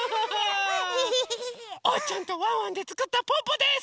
おうちゃんとワンワンでつくったぽぅぽです！